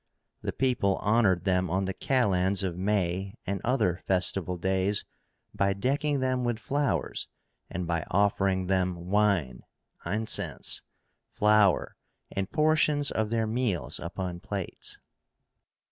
The people honored them on the Kalends of May and other festival days by decking them with flowers, and by offering them wine, incense, flour, and portions of their meals upon plates.